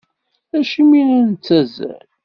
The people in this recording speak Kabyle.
Acimi i la nettazzal?